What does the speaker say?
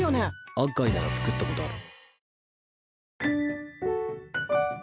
アッガイなら作ったことある。